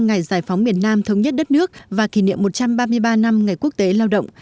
ngày giải phóng miền nam thống nhất đất nước và kỷ niệm một trăm ba mươi ba năm ngày quốc tế lao động